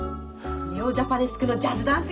ネオジャパネスクのジャズダンスよ。